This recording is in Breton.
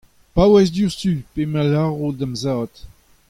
Paouez diouzhtu pe me a lâro da'm zad.